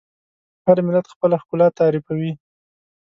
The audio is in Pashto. هر ملت خپله ښکلا تعریفوي.